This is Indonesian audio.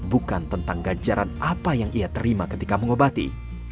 bukan tentang ganjaran apa yang ia terima ketika mengobati